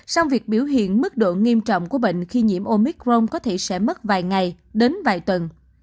sau việc biểu hiện mức độ nghiêm trọng của bệnh khi nhiễm omicron có thể sẽ mất vài ngày đến vài tuần